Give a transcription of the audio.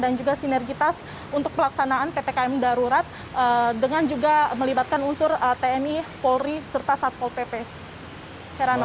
dan juga sinergitas untuk pelaksanaan ppkm darurat dengan juga melibatkan unsur tni polri serta satpol pp